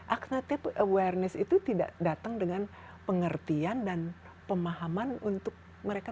agnetive awareness itu tidak datang dengan pengertian dan pemahaman untuk mereka